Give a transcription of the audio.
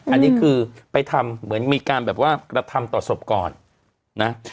อันนี้คือไปทำเหมือนมีการแบบว่ากระทำต่อศพก่อนนะ